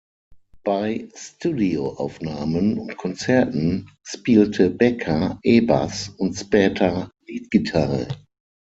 Bei Studioaufnahmen und Konzerten spielte Becker E-Bass und später Leadgitarre.